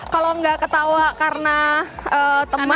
kalau nggak ketawa karena teman